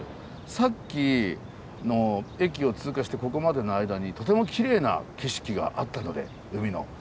さっきの駅を通過してここまでの間にとてもきれいな景色があったので海の。